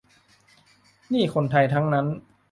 นี่คนไทยทั้งนั้น